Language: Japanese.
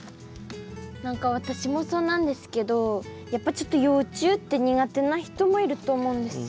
何か私もそうなんですけどやっぱちょっと幼虫って苦手な人もいると思うんですよ。